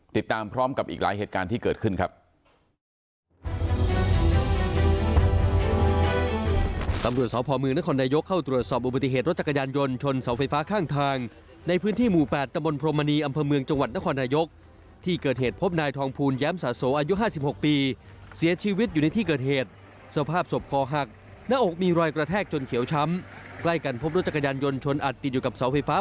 ติดตามพร้อมกับอีกหลายเหตุการณ์ที่เกิดขึ้นครับ